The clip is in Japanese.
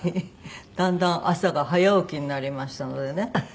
だんだん朝が早起きになりましたのでね。